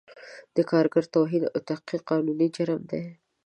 د کارګر توهین او تحقیر قانوني جرم دی